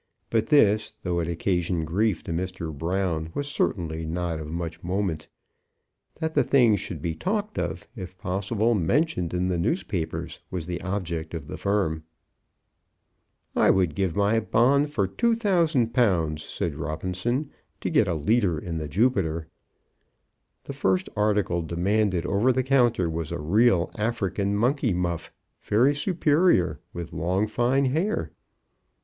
But this, though it occasioned grief to Mr. Brown, was really not of much moment. That the thing should be talked of, if possible mentioned in the newspapers was the object of the firm. "I would give my bond for 2,000_l._," said Robinson, "to get a leader in the Jupiter." The first article demanded over the counter was a real African monkey muff, very superior, with long fine hair.